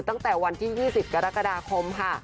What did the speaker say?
ตั้งแต่วันที่๒๐กรกฎาคมค่ะ